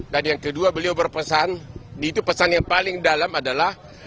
dan yang kedua beliau berpesan itu pesan yang paling dalam adalah